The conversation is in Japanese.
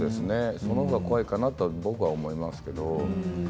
その方が怖いかなと僕は思いますけど。